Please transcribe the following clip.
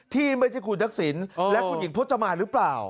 ที่ไม่ใช่คุณทักษิณและคุณหญิงพจมานหรือเปล่า